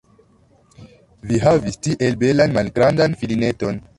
Vi havis tiel belan malgrandan filineton!